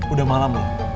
udah malam loh